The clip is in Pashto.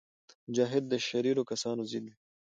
مجاهد د شریرو کسانو ضد وي.